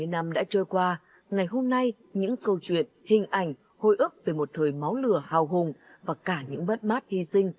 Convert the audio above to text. bảy mươi năm đã trôi qua ngày hôm nay những câu chuyện hình ảnh hồi ức về một thời máu lửa hào hùng và cả những bất mát hy sinh